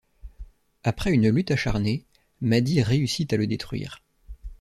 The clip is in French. Après une lutte acharnée, Maddie réussit à le détruire.